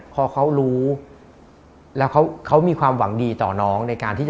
พอเขารู้แล้วเขามีความหวังดีต่อน้อง